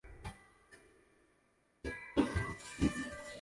唐朝武德四年属济州。